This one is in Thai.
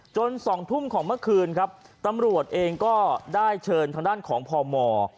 สองทุ่มของเมื่อคืนครับตำรวจเองก็ได้เชิญทางด้านของพม